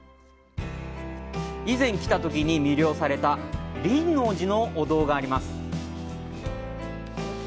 以前来たときに魅了された輪王寺のお堂があります。